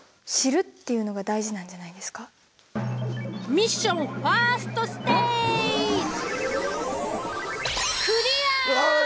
ミッションファーストステージわあえっ！？